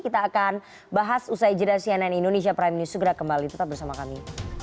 kita akan bahas usai jeda cnn indonesia prime news segera kembali tetap bersama kami